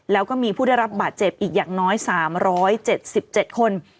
แล้วก็มีผู้ได้รับบาดเจ็บอีกอย่างน้อย๓๗๗คน